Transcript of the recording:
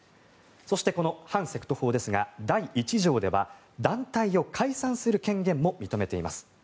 そして反セクト法ですが第１条では団体を解散する権限も認めています。